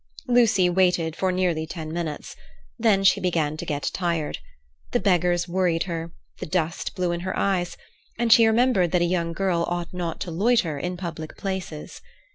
Lucy waited for nearly ten minutes. Then she began to get tired. The beggars worried her, the dust blew in her eyes, and she remembered that a young girl ought not to loiter in public places.